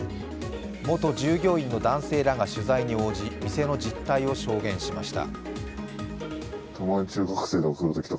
元従業員の男性らが取材に応じ、店の実態を証言しました。